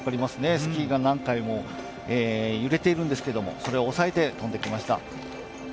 スキーが何回も揺れているんですけどそれを抑えて、飛んできました。